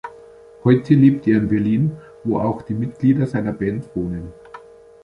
Heute lebt er in Berlin, wo auch die Mitglieder seiner Band wohnen.